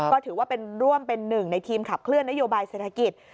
ก็ถือว่าเป็นร่วมเป็นหนึ่งในทีมขับเคลื่อนนโยบายเศรษฐกิจ